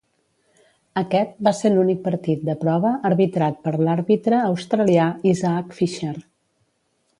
Aquest va ser l'únic partit de prova arbitrat pel l'àrbitre australià Isaac Fisher.